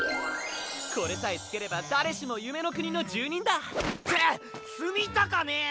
これさえつければ誰しも夢の国の住人だ！って住みたかねえよ！